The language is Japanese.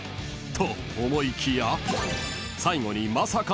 ［と思いきや最後にまさかの展開が］